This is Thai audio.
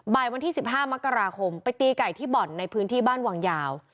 วันที่๑๕มกราคมไปตีไก่ที่บ่อนในพื้นที่บ้านวังยาว